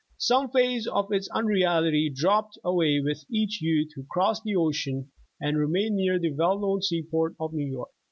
Some phase of its unreality dropped away with each youth who crossed the ocean, and re mained near the well known seaport of New York.